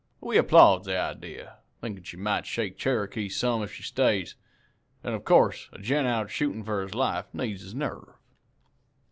We applauds the idee, thinkin' she might shake Cherokee some if she stays; an' of course a gent out shootin' for his life needs his nerve.